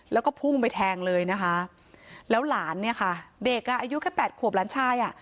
แล้วก็พุ่งไปแทงเลยนะคะแล้วหลานเนี่ยค่ะเด็กอ่ะอายุแค่แปดขวบหลานชายอ่ะ